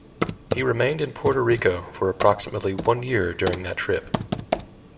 He remained in Puerto Rico for approximately one year during that trip.